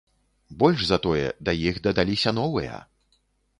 Больш за тое, да іх дадаліся новыя.